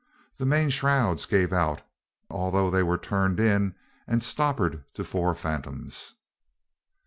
The main shrouds gave out although they were turned in, and stoppered to four fathoms.